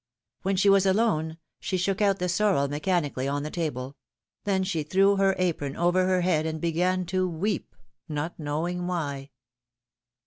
When she was alone, she shook out the sorrel mechanically on the table ; then she threw her apron over her head and began to weep, not knowing why.